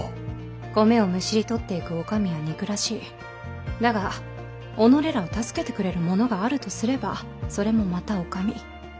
米をむしり取っていくお上は憎らしいだが己らを助けてくれる者があるとすればそれもまたお上。